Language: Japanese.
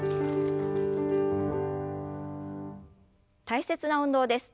大切な運動です。